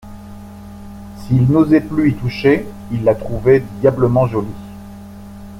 S'il n'osait plus y toucher, il la trouvait diablement jolie.